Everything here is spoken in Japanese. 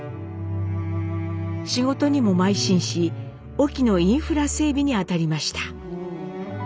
仕事にもまい進し隠岐のインフラ整備に当たりました。